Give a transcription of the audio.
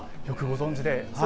よくご存じで。